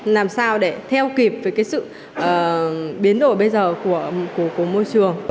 làm sao để theo kịp với cái sự biến đổi bây giờ của môi trường